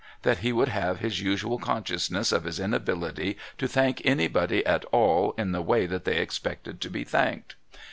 that he would have his usual consciousness of his inability to thank anybody at all in the way that they expected to be thanked.